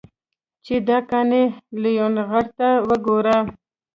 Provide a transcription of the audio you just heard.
چې دا قانع لېونغرته وګوره.